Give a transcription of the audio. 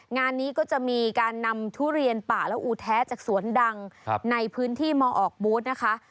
งานนี้ก็จะมีการนำทุเรียนป่าและอูแท้จากสวนดังในพื้นที่มออกบูธนะคะ